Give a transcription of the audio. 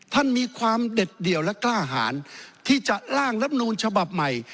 ท่านมีความเด็ดเดี่ยวและกล้าหารที่จะล่างรับนูลฉบับใหม่